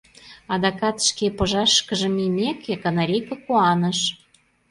— адакат шке пыжашышкыже мийымеке, канарейке куаныш.